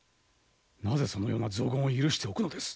なぜそのような雑言を許しておくのです？